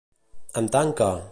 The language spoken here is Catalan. Amb tant que.